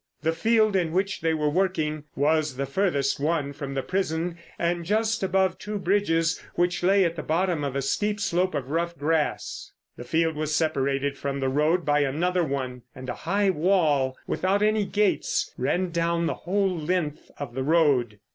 The field in which they were working was the furthest one from the prison, and just above Two Bridges, which lay at the bottom of a steep slope of rough grass. The field was separated from the road by another one, and a high wall without any gates ran down the whole length of the road.